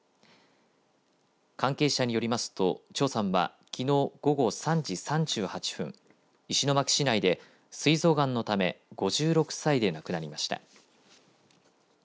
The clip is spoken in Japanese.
関係者によりますと、長さんはきのう午後３時３８分石巻市内で、すい臓がんのため５６歳で亡くなりました。